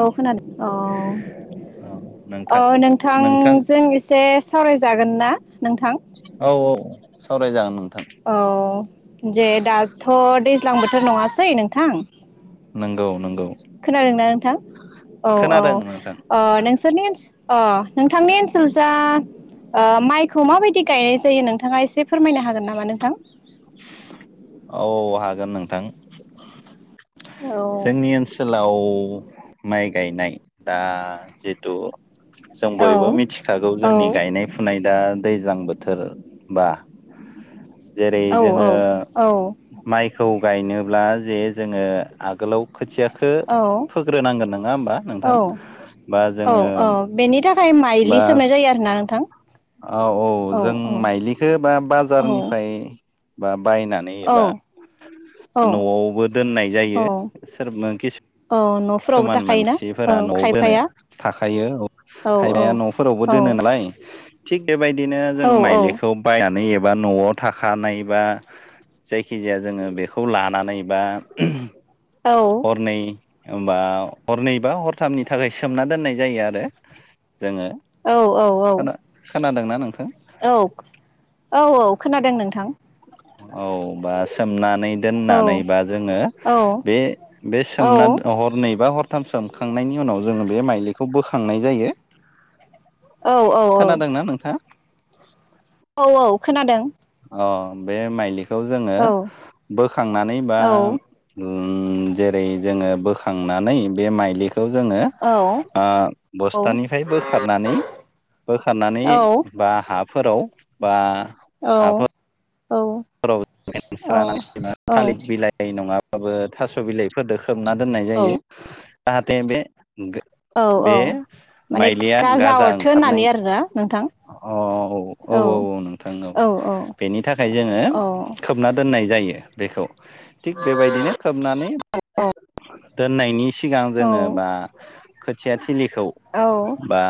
औ खोनादों औ औ नोंथां नोंथांजों एसे सावरायजागोन ना नोंथां, औ औ औ सावरायजागोन नोंथां, औ जे दाथ दैज्लां बोथोर नङासै नोंथां, नोंगौ नोंगौ खोनादोंना नोंथां औ औ खोनादों नोंथां ओ नोंसोरनि ओन नोंथांनि ओनसोल जा ओ माइखौ माबायदि गायनाय जायो नोंथाङा एसे फोरमायनो हागोन नामा? नोंथां। औ हागोन नोंथां, औ जोंनि ओनसोलाव माइ गायनाय दा जिथु, जों औ बयबो मिथिखागौ औ जोंनि गायनाय फुनाय दा, दैज्लां बोथोर बा जेरै औ जोङो औ माइखौ गायनोब्ला जे जोङो आगोलाव खोथियाखौ फोग्रोनांगोन नङा होमबा औ नोंथां? बा औ जोङो औ बेनि थाखाय माइलि बा सोमनाय जायो आरोना नोंथां औ औ जों माइलिखौ बा औ बाजारनिफ्राय बा बायनानै औ एबा औ न'आवबो दोननाय जायो। औ सोर मोन खिस औ न'फोरावबो किसुमान थाखायोना औ मानसिफोरा न'आव बोनो खायफाया थाखायो औ खायबाया न'फोरावबो औ दोनो नालाय थिग बेबायदिनो औ जों माइलिखौ बायनानै एबा न'आव थाखानाय बा जायखिजाया जोङो बेखौ लानानै बा औ हरनै होमबा हरनैबा हरथामनि थाखाय सोमना दोननाय जायो आरो जोङो औ खोनादों ना? औ औ औ खोनादों नोंथां। औ बा सोमनानै दोननानै औ बा जोङो औ बे औ सोम हरनै बा हर थाम सोमखांनायनि उनाव जोङो बे माइलिखौ बोखांनाय जायो। औ औ खोनादोंना नोंथाङा? औ औ खोनादों। अ बे माइलिखौ जोङो औ बोखांनानै बा औ उम जेरै जोङो बोखांनानै बे माइलि खौ जोङो आं बस्थानिफ्राय बोखारनानै बोखारनानै बा हाफोराव बा औ हाफोराव औ। थालिर बिलाइ नङा थास' बिलाइफोरदो खोबना दोननाय जायो, जाहाथे बे औ बे औ माने माइलिया गाजा अरथो ओंखारनाय होननानै आरोना नोंथां अ औ औ औ औ नोंथां औ बेनि थाखाय जोङो औ खोबना दोननाय जायो बेखौ थिग बेबायदिनो खोबनानै दोननायनि सिगां औ जोङो बा खोथिया थिलिखौ औ बा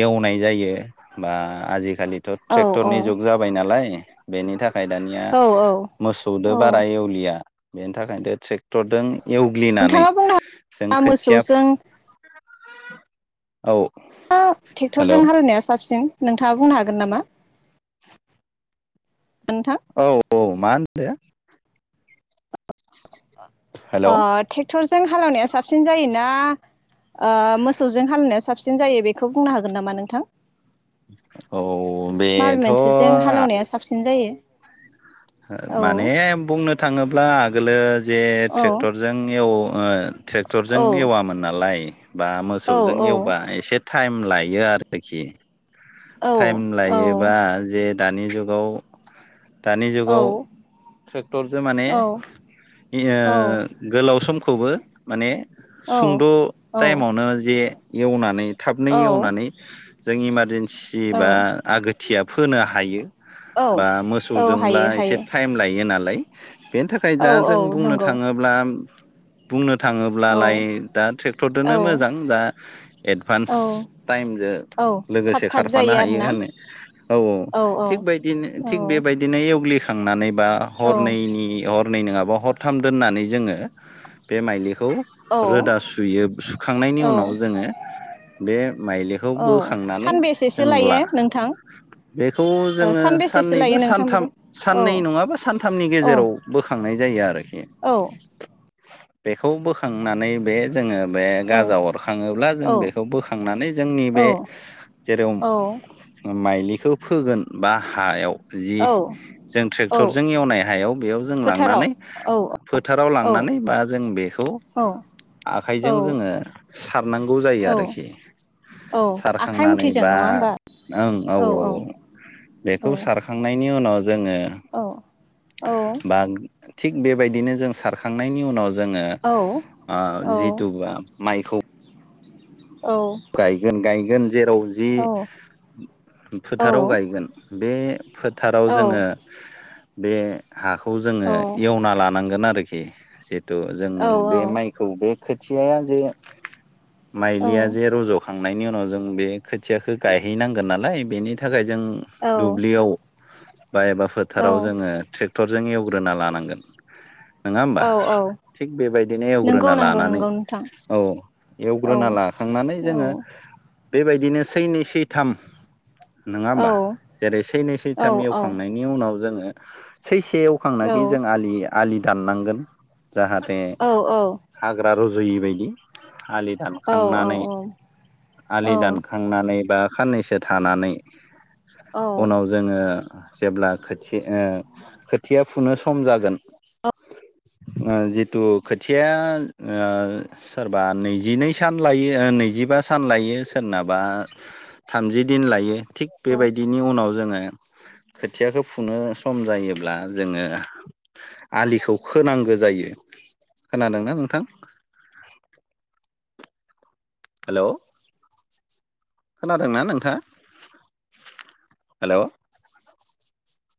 एवनाय जायो, बा आजि खालिथ' औ ट्रेक्टरनि जुग जाबाय नालाय बेनि था थाखाय दानिया औ मोसौदो औ औ बारा एवलिया बेनि थाखायनो ट्रेक्टरजों एवग्लिनानै नोंथाङा बुंनो जों हागोन खोथिया मोसौजों औ दा हेल' ट्रेक्टरजों हालेवनाया साबसिन नोंथाङा बुंनो हागोन नामा? नोंथां औ औ मा होनदो? हेल' औ ओ ट्रेक्टरजों हालेवनाया साबसिन जायोना ओ मोसौजों हामनाया साबसिन जायो बेखौ बुंनो हागोन नामा नोंथां? औ। माबे मोनसेजों हालेवनाया साबसिन जायो? औ माने बुंनो थाङोब्ला आगोलो जे औ ट्रेक्टरजों एल ओ ट्रेक्टरजों औ एवामोन नालाय बा औ मोसौजों एवबा एसे टाइम लायो आरोखि। औ टाइम औ लायोबा जे दानि जुगाव दानि औ गाव ट्रेक्टरजों माने औ इ औ ओ गोलाव समखौबो माने सुंद' औ टाइमावनो जे एवनानै थाबनो एवनानै जों इमारजेन्सि औ बा आगोथिया फोनो हायो। औ बा औ मोसौजोंब्ला हायो एसे हायो टाइम लायो नालाय। बेनि थाखाय द औ औ जों बुंनो नंगौ थाङोब्ला बुंनो औ थाङोब्लालाय दा ट्रेक्टरदो औ मोजां दा एडभान्स औ टाइमजों औ थाब लोगोसे थाब खारफानो जायो हायो आरोना होनो औ औ थिग बेदिनो औ थिग बेबायदिनो एवग्लि खांनानै बा औ हरनैनि हरनै नङाबा हरथाम दोननानै जोङो बे माइलिखौ औ खौ रोदा सुयो, सुखांनायनि औ उनाव जोङो बे माइलिखौ औ बोखांनानै सानबेसेसो जों लायो ला नोंथां बेखौ ओ जोङो सानबेसेसो साननै बा लायो नोंथां सानथाम बेखौ औ साननै नङाबा सानथामनि औ गेजेराव बोखांनाय जायो आरो। औ। बेखौ बोखांनानै बे जोङो बे औ गाजा अरखाङोब्ला जों बेखौ बोखांनानै जोंनि बे जेराव औ माइलिखौ फोगोन बा हायाव जि औ जों औ ट्रेक्टरजों एवनाय हायाव बेयाव जों फोथाराव लांनानै औ फोथाराव औ लांनानै बा जों बेखौ औ औ आखाइजों जोङो सारनांगौ जायो औ आरोखि औ आखाइ सारखांनानै मुथिजों बा नङा होमबा ओं औ - औ औ बेखौ सारखांनायनि उनाव जोङो औ औ बा थिग बेबायदिनो जों सारखांनायनि उनाव जोंङो औ ओ जिथु माइखौ गायगोन -गायगोन जेराव जि फोथाराव गायगोन बे फोथाराव जोङो बे हाखौ जोङो एवना लानांगोन आरोखि जिहेथु जों औ बे औ माइखौ बे खोथियाया जे औ माइलिया फोखांनायनि उनाव जों बे खोथियाखौ गायहैनांगोन नालाय बेनि थाखाय जों औ दुब्लियाव बा एबा फोथाराव औ जोङो ट्रेक्टरजों एवग्रोना लानांगोन। नोङा होमबा? औ औ थिग बेबायदिनो नंगौ एवग्रोना नंगौ लानानै नंगौ नोंथां औ औ एवग्रोना ला खांनानै औ जोङो बेबायदिनो सैनै-सैथाम नङा औ होमबा? जेरै- औ सैनै-सैथाम एवखांनायनि उनाव जोङो सै से औ एवखांनाखि जों आलि-आलि दाननांगोन जाहाथे औ हाग्रा रज' यै बायदि आलि दानखांनानै औ आलि दानखांनानै बा खाननैसो थानानै औ उनाव जोङो जेब्ला खो ओ खोथिया फुनो सम जागोन ओ जिथु खोथिया ओ सोरबा नैजिनै सान लायो नैजिबा सान लायो सोरनाबा थामजि दिन लायो। थिग औ बेबायदिनि उनाव जोङो खोथियाखौ फुनो सम जायोब्ला जोङों आलिखौ खोनांगौ जायो ‌। खोनादोंना नोंथां? [inaudible] हेलौ, खोनादोंना नोंथाङा? Hello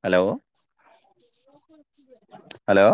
hello hello